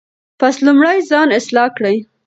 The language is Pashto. پس لومړی ځان اصلاح کړئ.